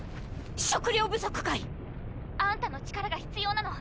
食料不足かい⁉あんたの力が必要なの。